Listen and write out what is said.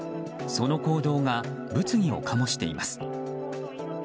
その行動が物議を醸しています。